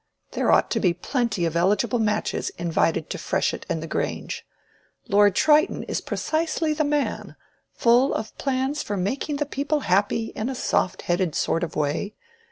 There ought to be plenty of eligible matches invited to Freshitt and the Grange. Lord Triton is precisely the man: full of plans for making the people happy in a soft headed sort of way.